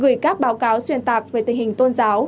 gửi các báo cáo xuyên tạc về tình hình tôn giáo